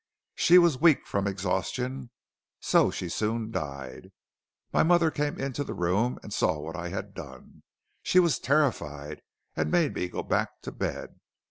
She was weak from exhaustion, so she soon died. My mother came into the room and saw what I had done. She was terrified, and made me go back to bed.